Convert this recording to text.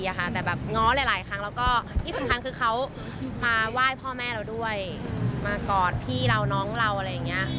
ยังไม่ได้ขอเขาแต่งงานเลย